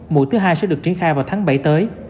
mũi thứ hai sẽ được triển khai vào tháng bảy tới